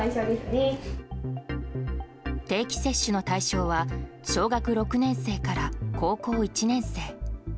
定期接種の対象は小学６年生から高校１年生。